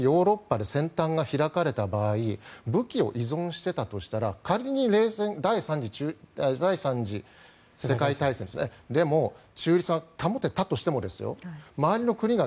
加えて、もしヨーロッパで戦端が開かれた場合武器を依存していたとしたら仮に第３次世界大戦でも中立が保てたとしても周りの国が